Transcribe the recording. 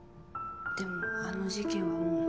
でもあの事件はもう。